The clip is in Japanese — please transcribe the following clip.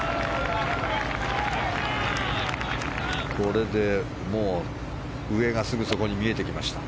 これで、もう上がすぐそこに見えてきました。